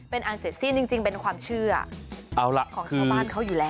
เป็นอันเสร็จสิ้นจริงเป็นความเชื่อเอาล่ะของชาวบ้านเขาอยู่แล้ว